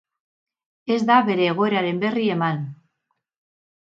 Ez da bere egoeraren berri eman.